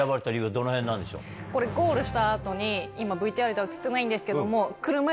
ゴールした後に今ＶＴＲでは映ってないんですけども。